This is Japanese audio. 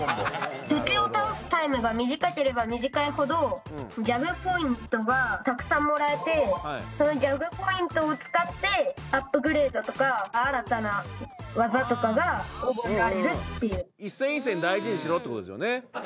敵を倒すタイムが短ければ短いほどギャグポイントがたくさんもらえてそのギャグポイントを使ってアップグレードとか新たな技とかが覚えられるっていう。